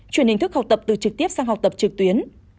chuyển hình thức học tập từ trực tiếp sang học tập trực tuyến